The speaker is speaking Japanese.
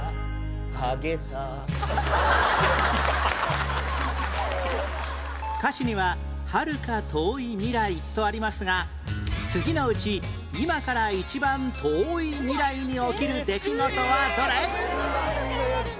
「ハゲさ」歌詞には「はるか遠い未来」とありますが次のうち一番遠い未来に起きる出来事？